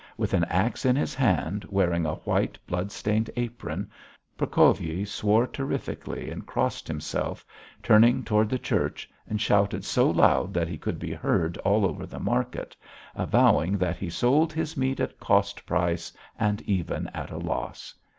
With an axe in his hand, wearing a white, blood stained apron, Prokofyi swore terrifically and crossed himself, turning toward the church, and shouted so loud that he could be heard all over the market, avowing that he sold his meat at cost price and even at a loss.